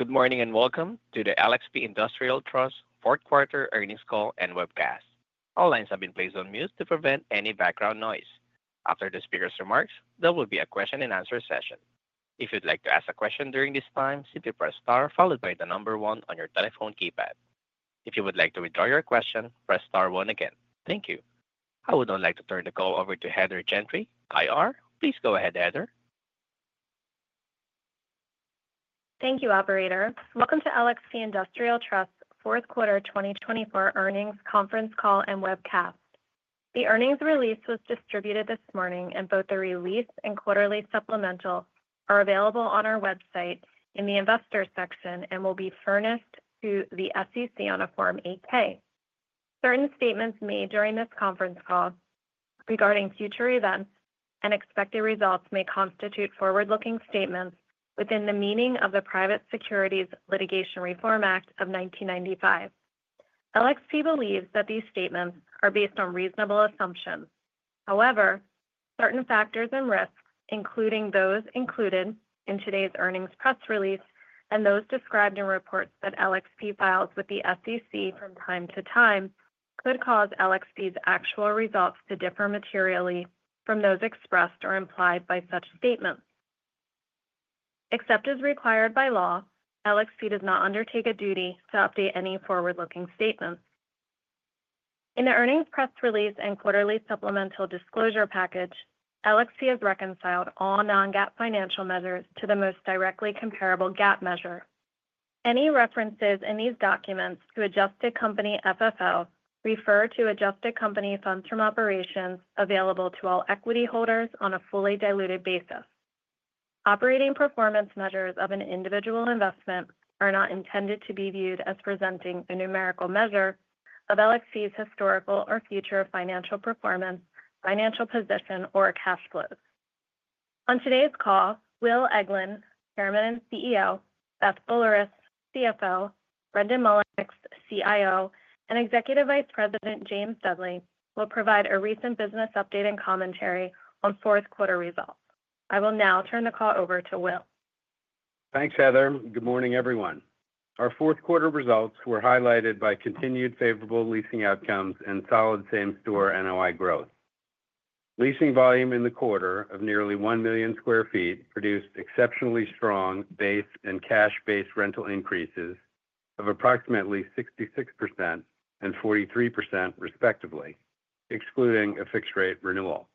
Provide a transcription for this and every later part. Good morning and welcome to the LXP Industrial Trust Fourth Quarter Earnings Call and Webcast. All lines have been placed on mute to prevent any background noise. After the speaker's remarks, there will be a question and answer session. If you'd like to ask a question during this time, simply press star followed by the number one on your telephone keypad. If you would like to withdraw your question, press star one again. Thank you. I would now like to turn the call over to Heather Gentry, IR. Please go ahead, Heather. Thank you, Operator. Welcome to LXP Industrial Trust Fourth Quarter 2024 Earnings Conference Call and Webcast. The earnings release was distributed this morning, and both the release and quarterly supplemental are available on our website in the Investor Section and will be furnished to the SEC on a Form 8-K. Certain statements made during this conference call regarding future events and expected results may constitute forward-looking statements within the meaning of the Private Securities Litigation Reform Act of 1995. LXP believes that these statements are based on reasonable assumptions. However, certain factors and risks, including those included in today's earnings press release and those described in reports that LXP files with the SEC from time to time, could cause LXP's actual results to differ materially from those expressed or implied by such statements. Except as required by law, LXP does not undertake a duty to update any forward-looking statements. In the earnings press release and quarterly supplemental disclosure package, LXP has reconciled all non-GAAP financial measures to the most directly comparable GAAP measure. Any references in these documents to adjusted company FFO refer to adjusted company funds from operations available to all equity holders on a fully diluted basis. Operating performance measures of an individual investment are not intended to be viewed as presenting a numerical measure of LXP's historical or future financial performance, financial position, or cash flows. On today's call, Will Eglin, Chairman and CEO, Beth Boulerice, CFO, Brendan Mullinix, CIO, and Executive Vice President James Dudley, will provide a recent business update and commentary on fourth quarter results. I will now turn the call over to Will. Thanks, Heather. Good morning, everyone. Our fourth quarter results were highlighted by continued favorable leasing outcomes and solid same-store NOI growth. Leasing volume in the quarter of nearly 1,000,000 sq ft produced exceptionally strong base and cash-based rental increases of approximately 66% and 43%, respectively, excluding a fixed-rate renewal.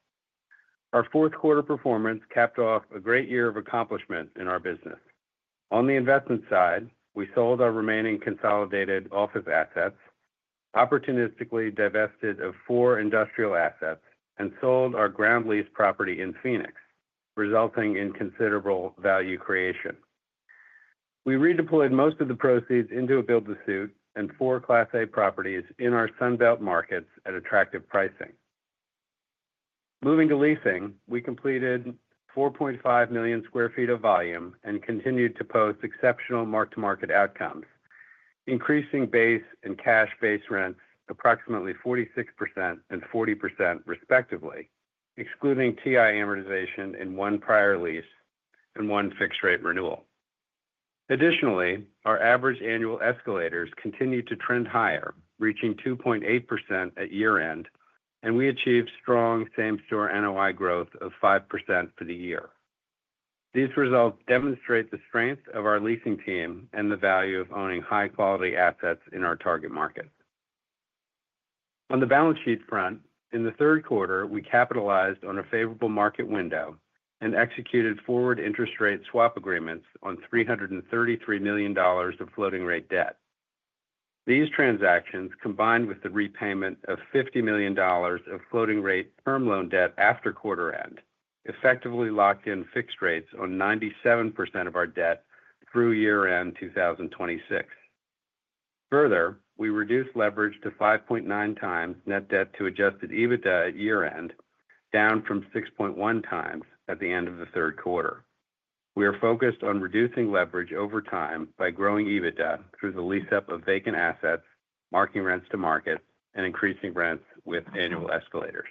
Our fourth quarter performance capped off a great year of accomplishment in our business. On the investment side, we sold our remaining consolidated office assets, opportunistically divested of four industrial assets, and sold our ground lease property in Phoenix, resulting in considerable value creation. We redeployed most of the proceeds into a Build-to-Suit and four Class A properties in our Sunbelt markets at attractive pricing. Moving to leasing, we completed 4.5 million sq ft of volume and continued to post exceptional mark-to-market outcomes, increasing base and cash-based rents approximately 46% and 40%, respectively, excluding TI amortization in one prior lease and one fixed-rate renewal. Additionally, our average annual escalators continued to trend higher, reaching 2.8% at year-end, and we achieved strong same-store NOI growth of 5% for the year. These results demonstrate the strength of our leasing team and the value of owning high-quality assets in our target market. On the balance sheet front, in the third quarter, we capitalized on a favorable market window and executed forward interest rate swap agreements on $333 million of floating-rate debt. These transactions, combined with the repayment of $50 million of floating-rate term loan debt after quarter end, effectively locked in fixed rates on 97% of our debt through year-end 2026. Further, we reduced leverage to 5.9x net debt to adjusted EBITDA at year-end, down from 6.1x at the end of the third quarter. We are focused on reducing leverage over time by growing EBITDA through the lease-up of vacant assets, marking rents to market, and increasing rents with annual escalators.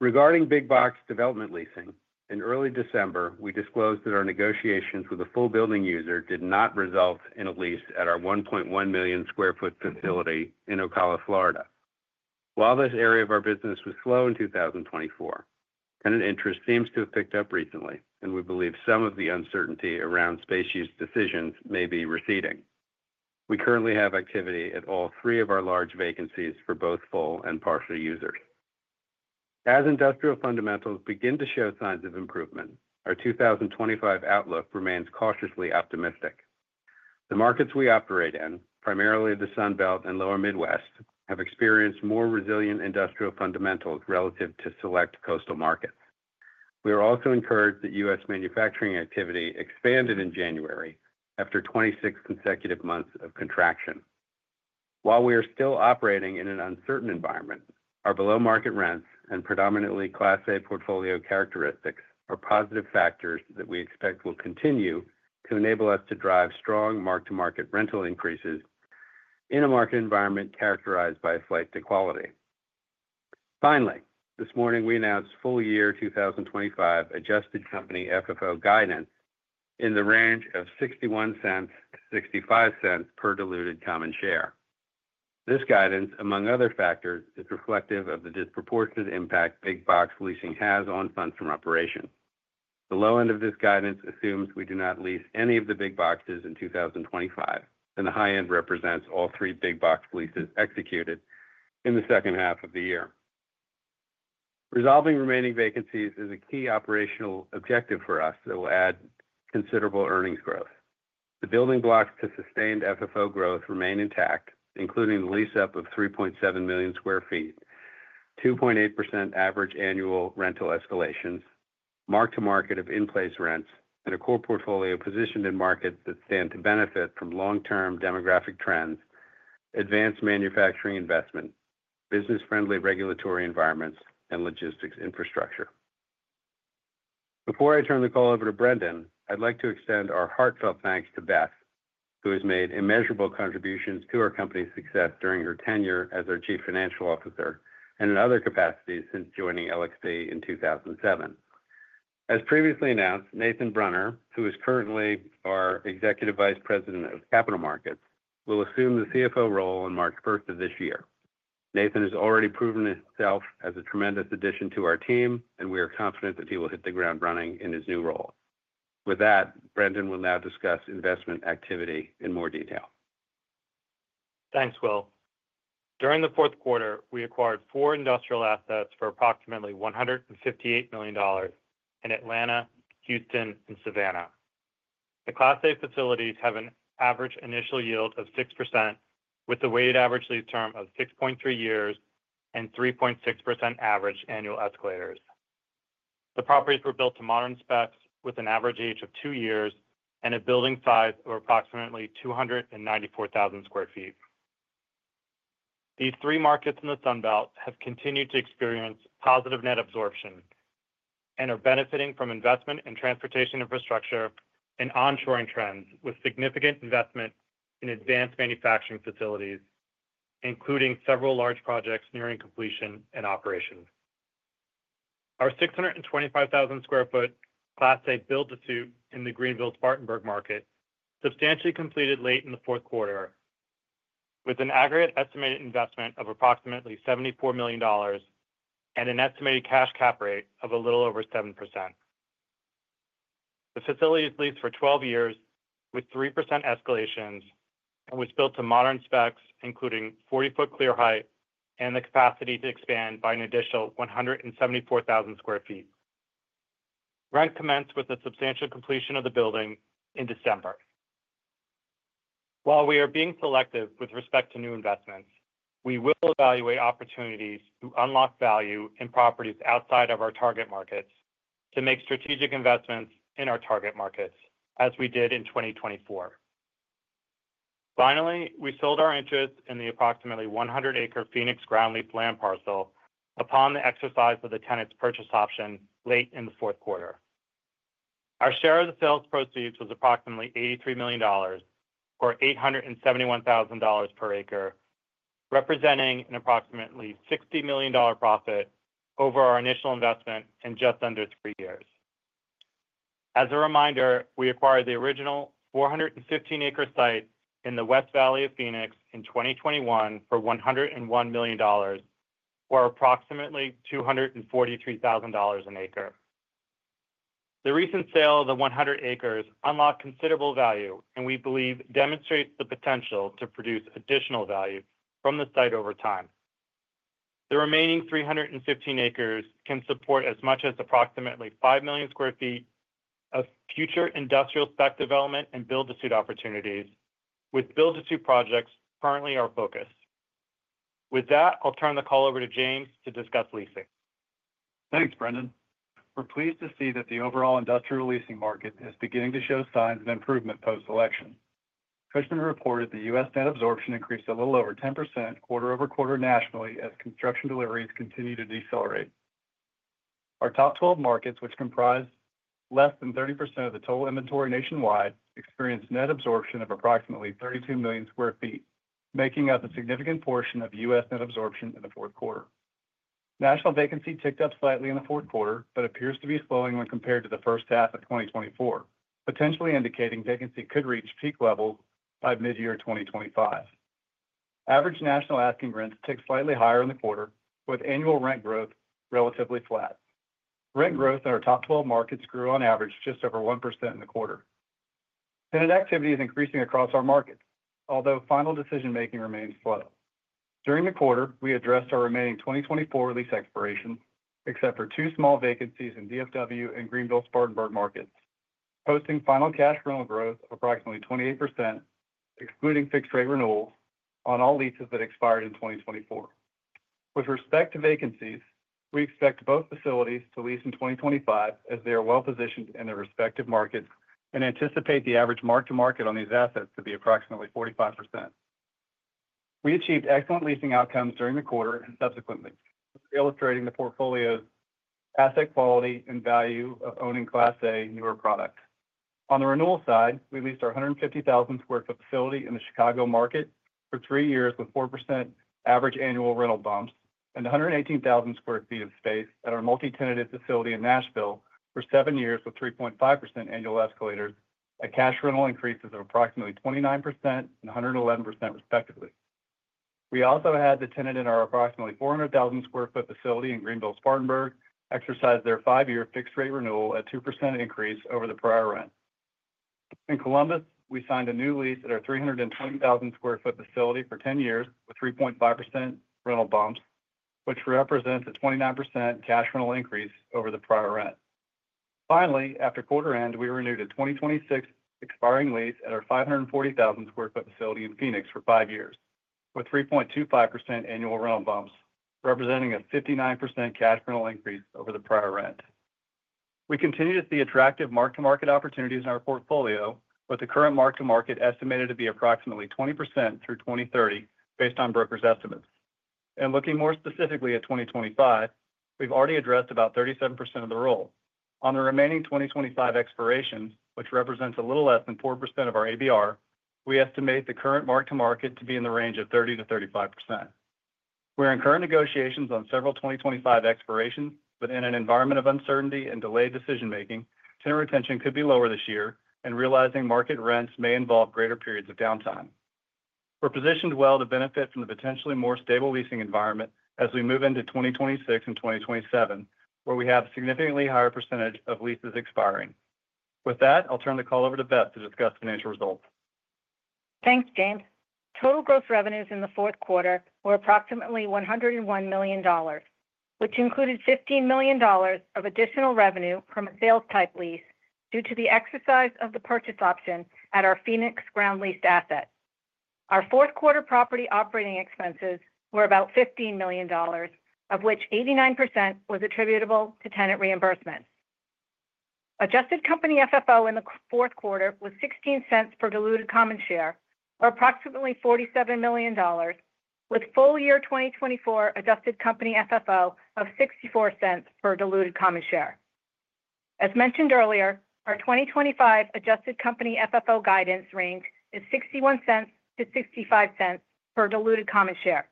Regarding big Box development leasing, in early December, we disclosed that our negotiations with a full building user did not result in a lease at our 1.1 million sq ft facility in Ocala, Florida. While this area of our business was slow in 2024, tenant interest seems to have picked up recently, and we believe some of the uncertainty around space use decisions may be receding. We currently have activity at all three of our large vacancies for both full and partial users. As industrial fundamentals begin to show signs of improvement, our 2025 outlook remains cautiously optimistic. The markets we operate in, primarily the Sunbelt and Lower Midwest, have experienced more resilient industrial fundamentals relative to select coastal markets. We are also encouraged that U.S. manufacturing activity expanded in January after 26 consecutive months of contraction. While we are still operating in an uncertain environment, our below-market rents and predominantly Class A portfolio characteristics are positive factors that we expect will continue to enable us to drive strong mark-to-market rental increases in a market environment characterized by flight to quality. Finally, this morning, we announced full year 2025 adjusted company FFO guidance in the range of $0.61-$0.65 per diluted common share. This guidance, among other factors, is reflective of the disproportionate impact big box leasing has on funds from operations. The low end of this guidance assumes we do not lease any of the big boxes in 2025, and the high end represents all three big box leases executed in the second half of the year. Resolving remaining vacancies is a key operational objective for us that will add considerable earnings growth. The building blocks to sustained FFO growth remain intact, including the lease-up of 3.7 million sq ft, 2.8% average annual rental escalations, mark-to-market of in-place rents, and a core portfolio positioned in markets that stand to benefit from long-term demographic trends, advanced manufacturing investment, business-friendly regulatory environments, and logistics infrastructure. Before I turn the call over to Brendan, I'd like to extend our heartfelt thanks to Beth, who has made immeasurable contributions to our company's success during her tenure as our Chief Financial Officer and in other capacities since joining LXP in 2007. As previously announced, Nathan Brunner, who is currently our Executive Vice President of Capital Markets, will assume the CFO role on March 1st of this year. Nathan has already proven himself as a tremendous addition to our team, and we are confident that he will hit the ground running in his new role. With that, Brendan will now discuss investment activity in more detail. Thanks, Will. During the fourth quarter, we acquired four industrial assets for approximately $158 million in Atlanta, Houston, and Savannah. The Class A facilities have an average initial yield of 6%, with a weighted average lease term of 6.3 years and 3.6% average annual escalators. The properties were built to modern specs with an average age of two years and a building size of approximately 294,000 sq ft. These three markets in the Sunbelt have continued to experience positive net absorption and are benefiting from investment in transportation infrastructure and onshoring trends with significant investment in advanced manufacturing facilities, including several large projects nearing completion and operation. Our 625,000 sq ft Class A build-to-suit in the Greenville-Spartanburg market substantially completed late in the fourth quarter, with an aggregate estimated investment of approximately $74 million and an estimated cash cap rate of a little over 7%. The facility is leased for 12 years with 3% escalations and was built to modern specs, including 40-foot clear height and the capacity to expand by an additional 174,000 sq ft. Rent commenced with a substantial completion of the building in December. While we are being selective with respect to new investments, we will evaluate opportunities to unlock value in properties outside of our target markets to make strategic investments in our target markets, as we did in 2024. Finally, we sold our interest in the approximately 100-acre Phoenix Ground Lease land parcel upon the exercise of the tenant's purchase option late in the fourth quarter. Our share of the sales proceeds was approximately $83 million or $871,000 per acre, representing an approximately $60 million profit over our initial investment in just under three years. As a reminder, we acquired the original 415-acre site in the West Valley of Phoenix in 2021 for $101 million, or approximately $243,000 an acre. The recent sale of the 100 acres unlocked considerable value, and we believe demonstrates the potential to produce additional value from the site over time. The remaining 315 acres can support as much as approximately 5 million sq ft of future industrial spec development and Build-to-Suit opportunities, with Build-to-Suit projects currently our focus. With that, I'll turn the call over to James to discuss Leasing. Thanks, Brendan. We're pleased to see that the overall industrial leasing market is beginning to show signs of improvement post-election. Cushman reported the U.S. net absorption increased a little over 10% quarter-over-quarter nationally as construction deliveries continue to decelerate. Our top 12 markets, which comprise less than 30% of the total inventory nationwide, experienced net absorption of approximately 32 million sq ft, making up a significant portion of U.S. net absorption in the fourth quarter. National vacancy ticked up slightly in the fourth quarter but appears to be slowing when compared to the first half of 2024, potentially indicating vacancy could reach peak levels by mid-year 2025. Average national asking rents ticked slightly higher in the quarter, with annual rent growth relatively flat. Rent growth in our top 12 markets grew on average just over 1% in the quarter. Tenant activity is increasing across our markets, although final decision-making remains slow. During the quarter, we addressed our remaining 2024 lease expiration, except for two small vacancies in DFW and Greenville-Spartanburg markets, posting final cash rental growth of approximately 28%, excluding fixed-rate renewals, on all leases that expired in 2024. With respect to vacancies, we expect both facilities to lease in 2025 as they are well-positioned in their respective markets and anticipate the average mark-to-market on these assets to be approximately 45%. We achieved excellent leasing outcomes during the quarter and subsequently, illustrating the portfolio's asset quality and value of owning Class A newer products. On the renewal side, we leased our 150,000 sq ft facility in the Chicago market for three years with 4% average annual rental bumps and 118,000 sq ft of space at our multi-tenanted facility in Nashville for seven years with 3.5% annual escalators, and cash rental increases of approximately 29% and 111%, respectively. We also had the tenant in our approximately 400,000 sq ft facility in Greenville-Spartanburg exercise their five-year fixed-rate renewal at 2% increase over the prior rent. In Columbus, we signed a new lease at our 320,000 sq ft facility for 10 years with 3.5% rental bumps, which represents a 29% cash rental increase over the prior rent. Finally, after quarter end, we renewed a 2026 expiring lease at our 540,000 sq ft facility in Phoenix for five years with 3.25% annual rental bumps, representing a 59% cash rental increase over the prior rent. We continue to see attractive mark-to-market opportunities in our portfolio, with the current mark-to-market estimated to be approximately 20% through 2030, based on broker's estimates, and looking more specifically at 2025, we've already addressed about 37% of the roll. On the remaining 2025 expirations, which represents a little less than 4% of our ABR, we estimate the current mark-to-market to be in the range of 30%-35%. We're in current negotiations on several 2025 expirations, but in an environment of uncertainty and delayed decision-making, tenant retention could be lower this year, and realizing market rents may involve greater periods of downtime. We're positioned well to benefit from the potentially more stable leasing environment as we move into 2026 and 2027, where we have a significantly higher percentage of leases expiring. With that, I'll turn the call over to Beth to discuss financial results. Thanks, James. Total gross revenues in the fourth quarter were approximately $101 million, which included $15 million of additional revenue from a sales-type lease due to the exercise of the purchase option at our Phoenix ground-leased asset. Our fourth quarter property operating expenses were about $15 million, of which 89% was attributable to tenant reimbursement. Adjusted company FFO in the fourth quarter was $0.16 per diluted common share, or approximately $47 million, with full year 2024 adjusted company FFO of $0.64 per diluted common share. As mentioned earlier, our 2025 adjusted company FFO guidance range is $0.61-$0.65 per diluted common share.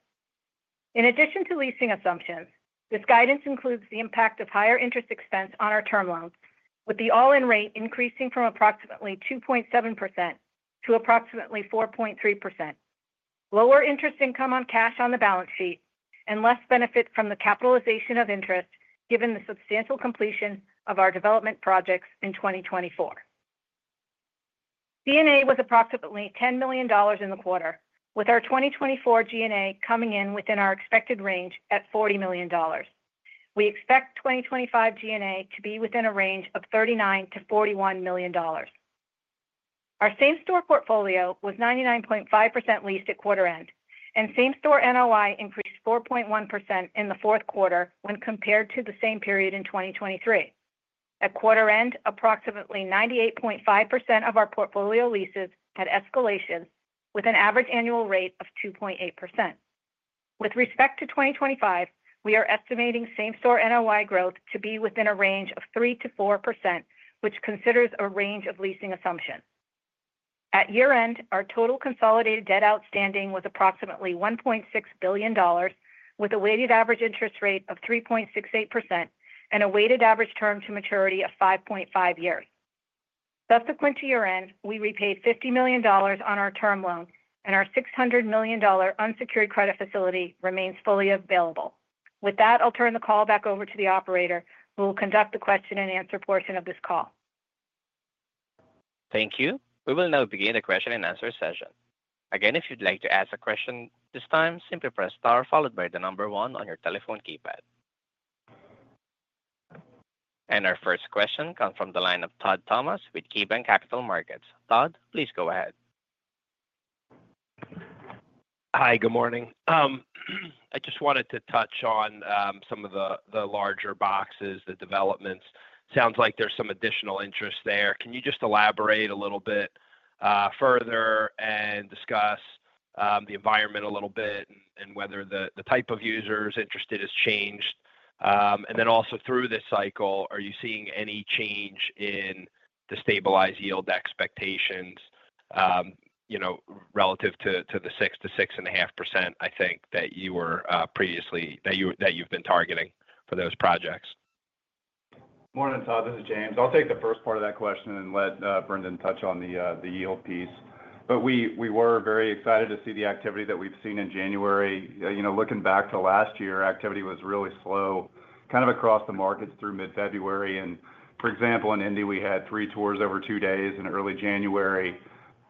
In addition to leasing assumptions, this guidance includes the impact of higher interest expense on our term loans, with the all-in rate increasing from approximately 2.7% to approximately 4.3%, lower interest income on cash on the balance sheet, and less benefit from the capitalization of interest given the substantial completion of our development projects in 2024. G&A was approximately $10 million in the quarter, with our 2024 G&A coming in within our expected range at $40 million. We expect 2025 G&A to be within a range of $39-$41 million. Our same-store portfolio was 99.5% leased at quarter end, and same-store NOI increased 4.1% in the fourth quarter when compared to the same period in 2023. At quarter end, approximately 98.5% of our portfolio leases had escalations, with an average annual rate of 2.8%. With respect to 2025, we are estimating same-store NOI growth to be within a range of 3%-4%, which considers a range of leasing assumptions. At year-end, our total consolidated debt outstanding was approximately $1.6 billion, with a weighted average interest rate of 3.68% and a weighted average term to maturity of 5.5 years. Subsequent to year-end, we repaid $50 million on our term loan, and our $600 million unsecured credit facility remains fully available. With that, I'll turn the call back over to the operator, who will conduct the question-and-answer portion of this call. Thank you. We will now begin the question-and-answer session. Again, if you'd like to ask a question this time, simply press star followed by the number one on your telephone keypad. And our first question comes from the line of Todd Thomas with KeyBanc Capital Markets. Todd, please go ahead. Hi, good morning. I just wanted to touch on some of the larger boxes, the developments. Sounds like there's some additional interest there. Can you just elaborate a little bit further and discuss the environment a little bit and whether the type of users interested has changed? And then also through this cycle, are you seeing any change in the stabilized yield expectations relative to the 6%-6.5%, I think, that you were previously that you've been targeting for those projects? Morning, Todd. This is James. I'll take the first part of that question and let Brendan touch on the yield piece, but we were very excited to see the activity that we've seen in January. Looking back to last year, activity was really slow, kind of across the markets through mid-February, and for example, in Indy, we had three tours over two days in early January,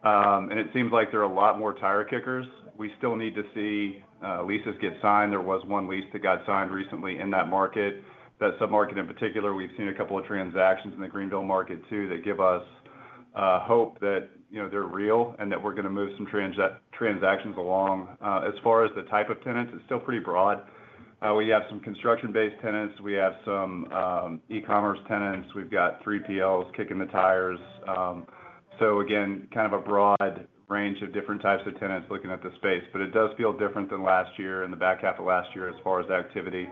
and it seems like there are a lot more tire kickers. We still need to see leases get signed. There was one lease that got signed recently in that market. That submarket in particular, we've seen a couple of transactions in the Greenville market too that give us hope that they're real and that we're going to move some transactions along. As far as the type of tenants, it's still pretty broad. We have some construction-based tenants. We have some e-commerce tenants. We've got 3PLs kicking the tires. So again, kind of a broad range of different types of tenants looking at the space. But it does feel different than last year in the back half of last year as far as activity.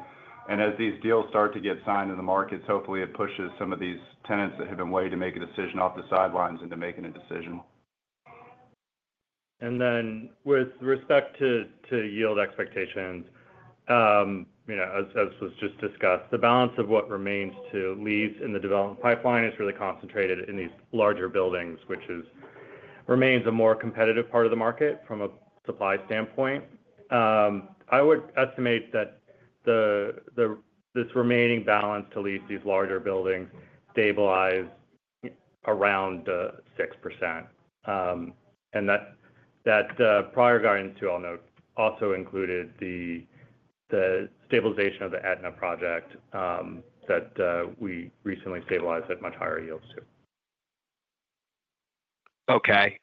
And as these deals start to get signed in the markets, hopefully it pushes some of these tenants that have been waiting to make a decision off the sidelines into making a decision. And then with respect to yield expectations, as was just discussed, the balance of what remains to lease in the development pipeline is really concentrated in these larger buildings, which remains a more competitive part of the market from a supply standpoint. I would estimate that this remaining balance to lease these larger buildings stabilized around 6%. And that prior guidance, too, I'll note, also included the stabilization of the Etna project that we recently stabilized at much higher yields too. Okay.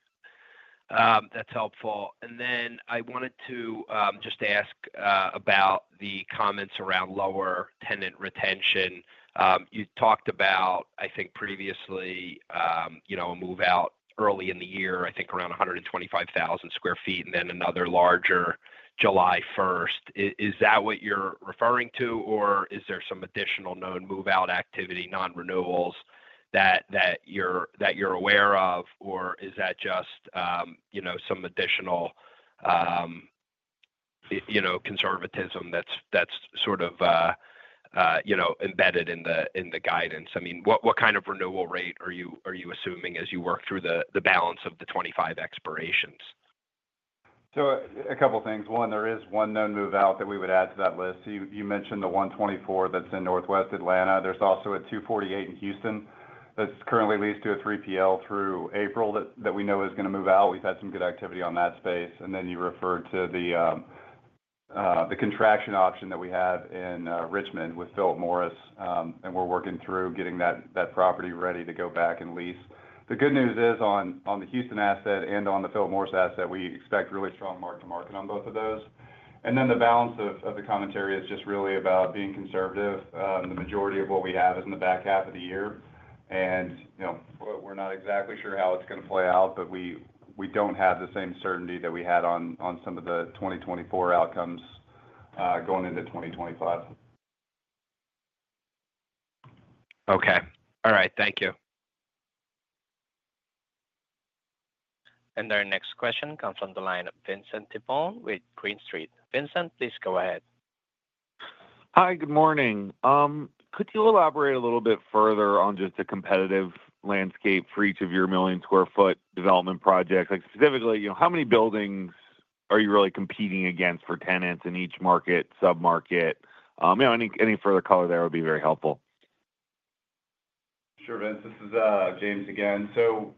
That's helpful. And then I wanted to just ask about the comments around lower tenant retention. You talked about, I think, previously a move-out early in the year, I think around 125,000 sq ft, and then another larger July 1st. Is that what you're referring to, or is there some additional known move-out activity, non-renewals that you're aware of, or is that just some additional conservatism that's sort of embedded in the guidance? I mean, what kind of renewal rate are you assuming as you work through the balance of the 2025 expirations? So a couple of things. One, there is one known move-out that we would add to that list. You mentioned the 124 that's in Northwest Atlanta. There's also a 248 in Houston that's currently leased to a 3PL through April that we know is going to move out. We've had some good activity on that space. And then you referred to the contraction option that we have in Richmond with Philip Morris, and we're working through getting that property ready to go back and lease. The good news is on the Houston asset and on the Philip Morris asset, we expect really strong mark-to-market on both of those. And then the balance of the commentary is just really about being conservative. The majority of what we have is in the back half of the year. We're not exactly sure how it's going to play out, but we don't have the same certainty that we had on some of the 2024 outcomes going into 2025. Okay. All right. Thank you. Our next question comes from the line of Vince Tibone with Green Street. Vincent, please go ahead. Hi, good morning. Could you elaborate a little bit further on just the competitive landscape for each of your million-square-foot development projects? Specifically, how many buildings are you really competing against for tenants in each market, submarket? Any further color there would be very helpful. Sure, Vince. This is James again. So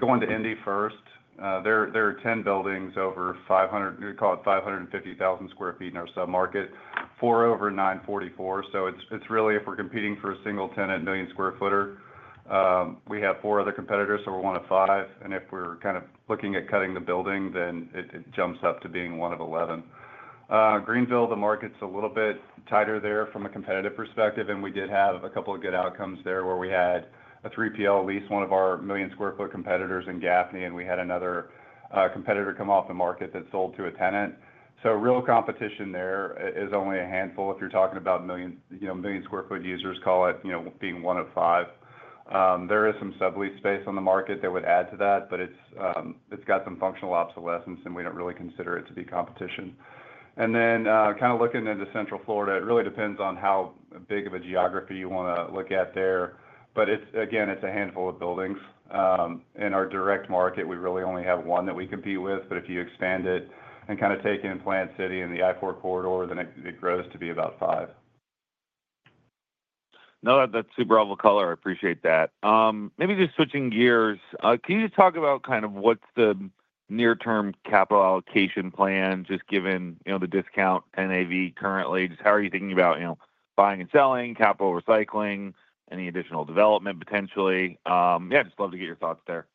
going to Indy first, there are 10 buildings over 500, we call it 550,000 sq ft in our submarket, four over 944. So it's really, if we're competing for a single tenant million-square-footer, we have four other competitors, so we're one of five. And if we're kind of looking at cutting the building, then it jumps up to being one of 11. Greenville, the market's a little bit tighter there from a competitive perspective. And we did have a couple of good outcomes there where we had a 3PL lease one of our million-square-foot competitors in Gaffney, and we had another competitor come off the market that sold to a tenant. So real competition there is only a handful if you're talking about million-square-foot users, call it being one of five. There is some sublease space on the market that would add to that, but it's got some functional obsolescence, and we don't really consider it to be competition. And then kind of looking into Central Florida, it really depends on how big of a geography you want to look at there. But again, it's a handful of buildings. In our direct market, we really only have one that we compete with. But if you expand it and kind of take in Plant City and the I-4 Corridor, then it grows to be about five. No, that's super helpful color. I appreciate that. Maybe just switching gears, can you just talk about kind of what's the near-term capital allocation plan, just given the discount NAV currently? Just how are you thinking about buying and selling, capital recycling, any additional development potentially? Yeah, just love to get your thoughts there.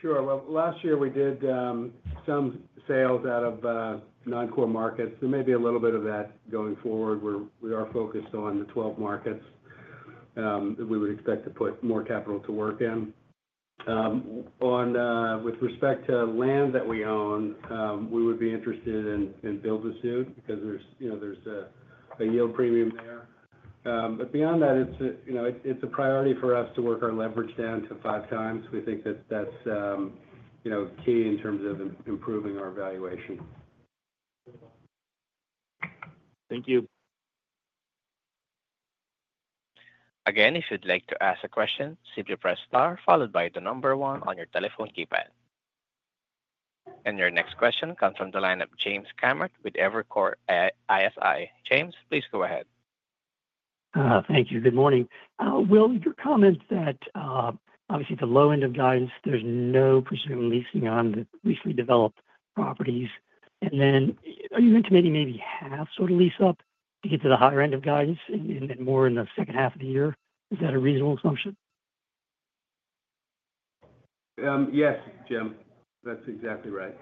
Sure. Last year, we did some sales out of non-core markets. There may be a little bit of that going forward. We are focused on the 12 markets that we would expect to put more capital to work in. With respect to land that we own, we would be interested in Build-to-Suit because there's a yield premium there. But beyond that, it's a priority for us to work our leverage down to 5x. We think that that's key in terms of improving our valuation. Thank you. Again, if you'd like to ask a question, simply press star followed by the number one on your telephone keypad. And your next question comes from the line of James Kammert with Evercore ISI. James, please go ahead. Thank you. Good morning. Will, your comment that obviously at the low end of guidance, there's no pursuing leasing on the recently developed properties, and then are you intimating maybe half sort of lease up to get to the higher end of guidance and then more in the second half of the year? Is that a reasonable assumption? Yes, Jim. That's exactly right.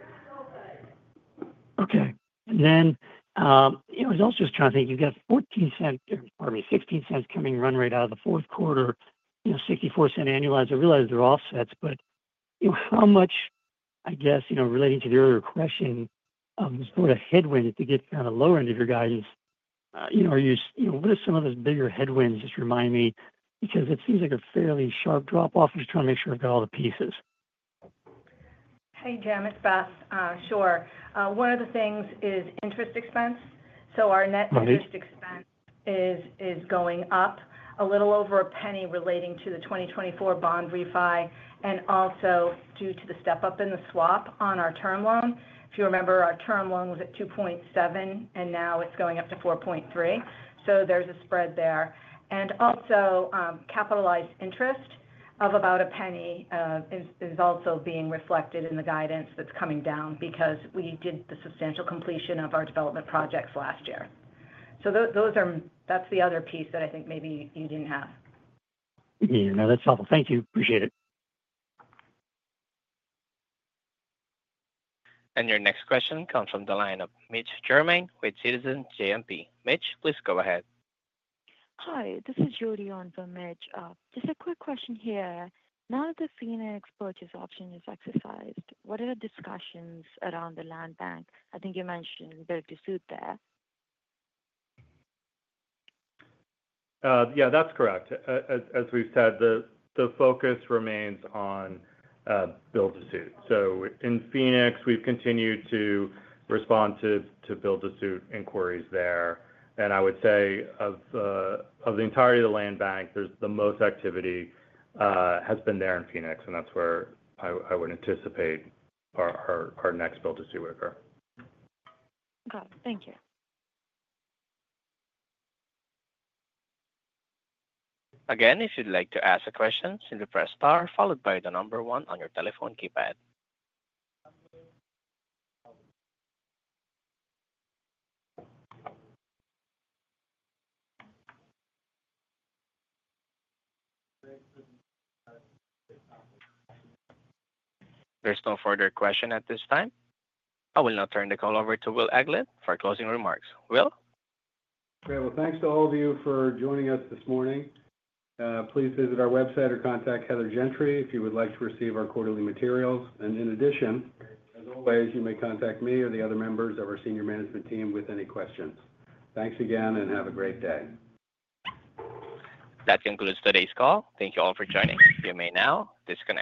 Okay. And then I was also just trying to think. You've got $0.14, pardon me, $0.16 coming run rate out of the fourth quarter, $0.64 annualized. I realize they're offsets, but how much, I guess, relating to the earlier question, was sort of headwind to get kind of the lower end of your guidance? What are some of those bigger headwinds? Just remind me, because it seems like a fairly sharp drop-off. I'm just trying to make sure I've got all the pieces. Hey, Jim, it's Beth. Sure. One of the things is interest expense. So our net interest expense is going up a little over a penny relating to the 2024 bond refi and also due to the step-up in the swap on our term loan. If you remember, our term loan was at 2.7, and now it's going up to 4.3. So there's a spread there. And also, capitalized interest of about a penny is also being reflected in the guidance that's coming down because we did the substantial completion of our development projects last year. So that's the other piece that I think maybe you didn't have. Yeah. No, that's helpful. Thank you. Appreciate it. And your next question comes from the line of Mitch Germain with Citizens JMP. Mitch, please go ahead. Hi, this is Jody on for Mitch. Just a quick question here. Now that the Phoenix purchase option is exercised, what are the discussions around the land bank? I think you mentioned Build-to-Suit there. Yeah, that's correct. As we've said, the focus remains on Build-to-Suit. So in Phoenix, we've continued to respond to Build-to-Suit inquiries there. And I would say of the entirety of the land bank, the most activity has been there in Phoenix, and that's where I would anticipate our next Build-to-suit would occur. Okay. Thank you. Again, if you'd like to ask a question, simply press star followed by the number one on your telephone keypad. There's no further question at this time. I will now turn the call over to Will Eglin for closing remarks. Will? Okay. Well, thanks to all of you for joining us this morning. Please visit our website or contact Heather Gentry if you would like to receive our quarterly materials. And in addition, as always, you may contact me or the other members of our senior management team with any questions. Thanks again and have a great day. That concludes today's call. Thank you all for joining. You may now disconnect.